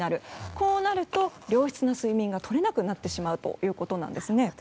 こうなると、良質な睡眠がとれなくなってしまうそうです。